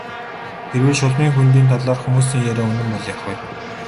Хэрэв Шулмын хөндийн талаарх хүмүүсийн яриа үнэн бол яах вэ?